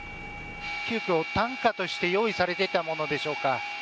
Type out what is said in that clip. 急きょ担架として用意されていたものでしょうか。